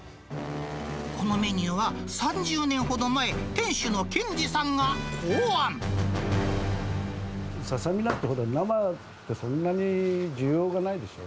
このメニューは、３０年ほど前、ささみだって、生って、そんなに需要がないでしょ。